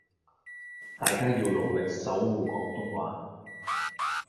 大家要努力守謢廣東話